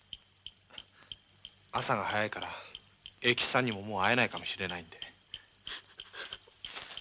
朝が早いから栄吉さんにももう会えないかもしれないんでね